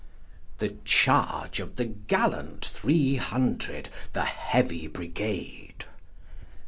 The charge of the gallant three hundred, the Heavy Brigade!